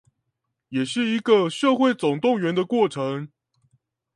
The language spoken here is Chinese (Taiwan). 也是一個社會總動員的過程